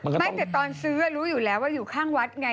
ไม่แต่ตอนซื้อรู้อยู่แล้วว่าอยู่ข้างวัดไง